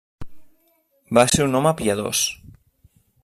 Va ser un home piadós.